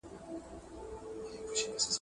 خپل مال بزگر ته پرېږده، پر خداى ئې وسپاره.